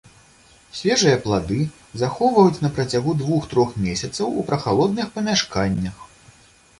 Свежыя плады захоўваюць на працягу двух-трох месяцаў у прахалодных памяшканнях.